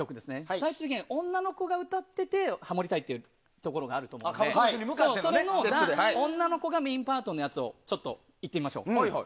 最終的には女の子が歌っていてハモりたいというのがあるのでそれの女の子がメインパートのやつをいってみましょう。